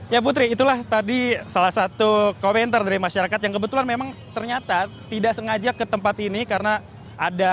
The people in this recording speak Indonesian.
ya putri itulah tadi salah satu komentar dari masyarakat yang kebetulan memang ternyata tidak sengaja ke tempat ini karena ada